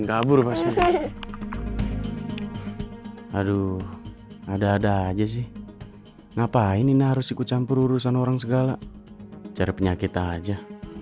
aduh ada ada aja sih ngapain ini harus ikut campur urusan orang segala cari penyakit aja